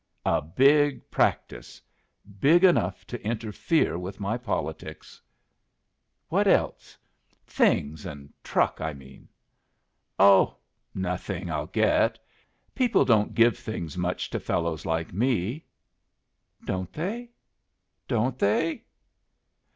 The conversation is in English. "A big practice big enough to interfere with my politics." "What else? Things and truck, I mean." "Oh nothing I'll get. People don't give things much to fellows like me." "Don't they? Don't they?"